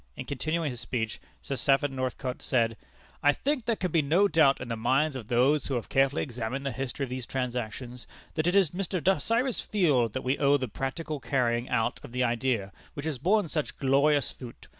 In continuing his speech, Sir Stafford Northcote said: "I think there can be no doubt in the minds of those who have carefully examined the history of these transactions, that it is to Mr. Cyrus Field that we owe the practical carrying out of the idea which has borne such glorious fruit.